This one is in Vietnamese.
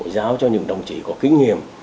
giao cho những đồng chí có kinh nghiệm